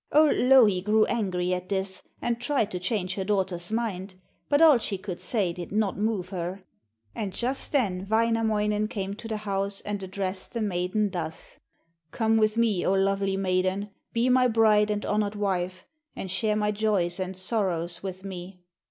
Old Louhi grew angry at this, and tried to change her daughter's mind, but all she could say did not move her; and just then Wainamoinen came to the house, and addressed the maiden thus: 'Come with me, O lovely maiden, be my bride and honoured wife, and share my joys and sorrows with me.'